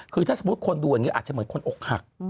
คือถ้าสมมุติคนดูอย่างนี้อาจจะเหมือนคนอกหัก